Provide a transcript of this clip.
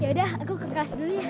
ya udah aku ke kelas dulu ya